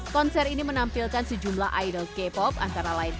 konser ini menampilkan sejumlah idol k pop antara lain